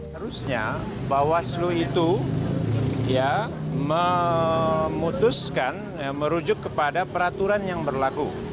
harusnya bawaslu itu memutuskan merujuk kepada peraturan yang berlaku